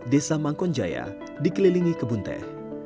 desa mangkonjaya dikelilingi kebun teh